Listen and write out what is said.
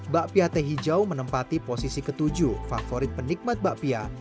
bakpia teh hijau menempati posisi ketujuh favorit penikmat bakpia